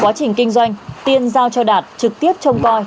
quá trình kinh doanh tiên giao cho đạt trực tiếp trông coi